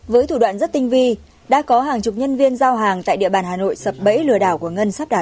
với thủ đoạn rất tinh vi đã có hàng chục nhân viên giao hàng tại địa bàn hà nội sập bẫy lừa đảo của ngân sắp đạt